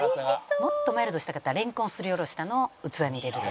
もっとマイルドにしたかったらレンコンをすり下ろしたのを器に入れると。